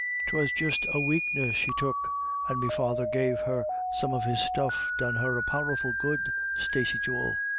Twas just a wakeness she took, and me father gave her some of his stuff done her a power o' good, Stacey jewel."